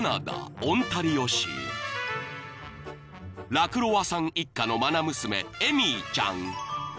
［ラクロワさん一家の愛娘エミーちゃん］